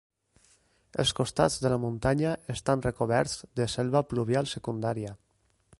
Els costats de la muntanya estan recoberts de selva pluvial secundària.